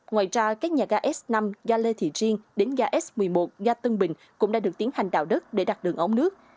ngoài ra các nhà gà s năm gà lê thị riêng đến gà s một mươi một gà tân bình cũng đã được tiến hành đào đất để đặt đường ống nước